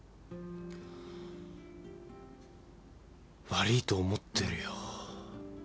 悪ぃと思ってるよ。